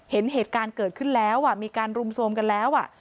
เห็นเหตุการณ์เกิดขึ้นแล้วมีการรุมโทรมกันแล้ว